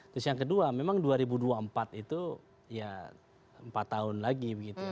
terus yang kedua memang dua ribu dua puluh empat itu ya empat tahun lagi begitu